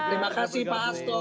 terima kasih pak asto